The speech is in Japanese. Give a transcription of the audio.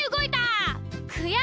くやしい！